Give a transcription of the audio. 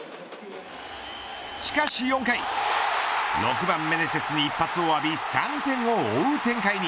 しかし４回６番メネセスに１発を浴び３点を展開に。